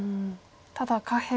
ただ下辺も。